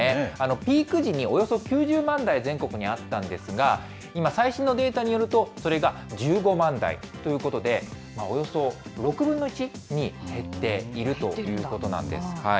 ピーク時におよそ９０万台、全国にあったんですが、今、最新のデータによると、それが１５万台ということで、およそ６分の１に減っているということなんです。